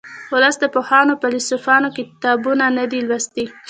ولس د پوهانو او فیلسوفانو کتابونه نه دي لوستي